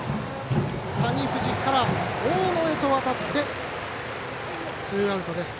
谷藤から大野へとわたってツーアウトです。